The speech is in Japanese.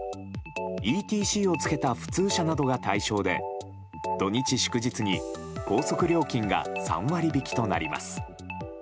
ＥＴＣを付けた普通車などが対象で土日、祝日に高速料金が３割引きとなります。